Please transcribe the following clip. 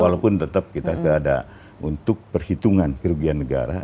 walaupun tetap kita tidak ada untuk perhitungan kerugian negara